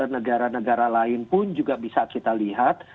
negara negara lain pun juga bisa kita lihat